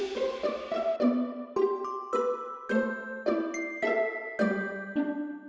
ck belum mandi ngapain emang sih